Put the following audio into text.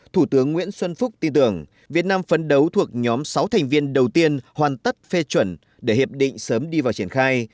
thủ tướng nguyễn xuân phúc tin tưởng việt nam phấn đấu thuộc nhóm sáu thành viên đầu tiên hoàn tất phê chuẩn để hiệp định sớm đi vào triển khai